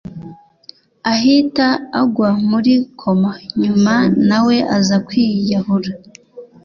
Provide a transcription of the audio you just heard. ahita agwa muri coma nyuma nawe aza kwiyahura.